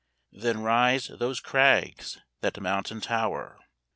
Then rise those crags, that mountain tower.